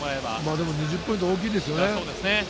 でも、２０ポイント大きいでそうですね。